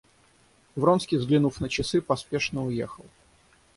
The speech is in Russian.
Вронский, взглянув на часы, поспешно уехал.